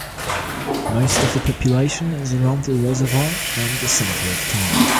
Most of the population is around the reservoir and the center of town.